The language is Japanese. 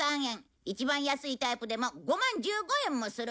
一番安いタイプでも５万１５円もするんだよ。